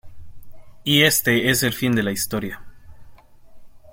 y este es el fin de la historia.